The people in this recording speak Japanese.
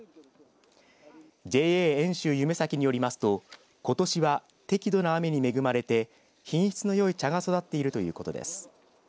ＪＡ遠州夢咲によりますとことしは適度な雨に恵まれて品質のよい茶が育っているということです。